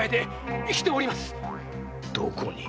どこに？